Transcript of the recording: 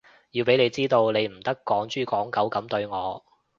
要畀你知道，你唔得趕豬趕狗噉對我